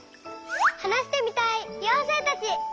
はなしてみたいようせいたち！